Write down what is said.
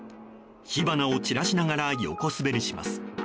火花を散らしながら横滑りします。